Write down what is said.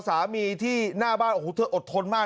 การนอนไม่จำเป็นต้องมีอะไรกัน